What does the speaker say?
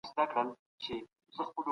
د بشري حقونو درناوی یو اصل دی.